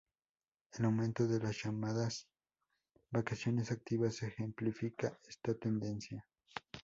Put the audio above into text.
El aumento de las llamadas "vacaciones activas" ejemplifica esta tendencia.